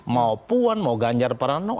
mau puan mau ganjar pranowo